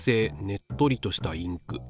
「ねっとりとした」インク。